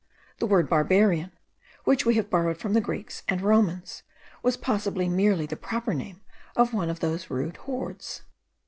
The word barbarian, which we have borrowed from the Greeks and Romans, was possibly merely the proper name of one of those rude hordes.